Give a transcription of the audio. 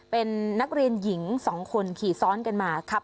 เป็นนักเรียนหญิง๒คนขี่ซ้อนกันมาครับ